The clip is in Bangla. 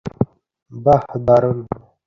বাহ, দারুন!